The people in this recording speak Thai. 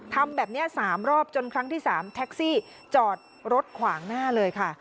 ทำแบบนี้๓รอบจนครั้งที่๓แท็กซี่จอดรถขวางหน้าเลยค่ะ